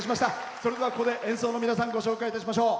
それでは、ここで演奏の皆さんご紹介いたしましょう。